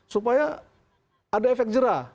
supaya ada efek jerah